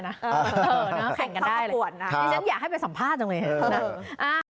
เออนะแข่งกันได้เลยฉันอยากให้ไปสัมภาษณ์จังเลย